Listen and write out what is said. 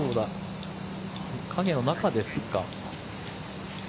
影の中ですか。